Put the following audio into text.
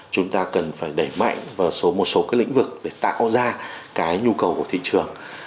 chúng ta cần phải đẩy mạnh vào một số cái lĩnh vực để tạo ra cái nhu cầu của thị trường